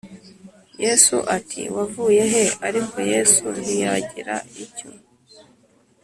Yesu ati Wavuye he Ariko Yesu ntiyagira icyo